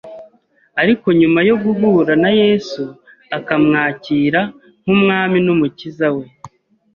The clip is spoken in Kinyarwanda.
ariko nyuma yo guhura na Yesu akamwakira nk’umwami n’umukiza we